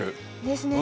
ですね。